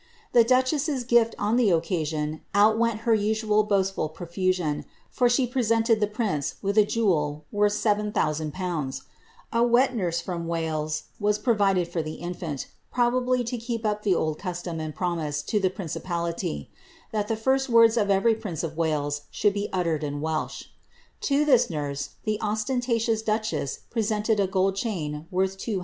The duchess's gifts on the occasion outwent her nsual boast infasion, for she presented the prince with a jewel worth 70002. A Peasu from Wales' was prorided for the infant, probably to keep up bsU custom and promise to the principali^— that the tet worn of My prince of Wales shoold be uttered in Webb. To thk nurse the ■■htioos duchess presented a gold chain worth 2002.